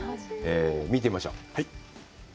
見てみましょう。